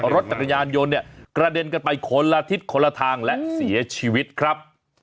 รถจักรยานยนต์เนี่ยกระเด็นกันไปคนละทิศคนละทางและเสียชีวิตครับ